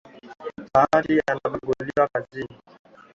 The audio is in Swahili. Bahati anabaguliwa kazini